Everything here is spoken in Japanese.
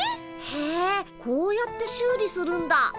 へえこうやって修理するんだ。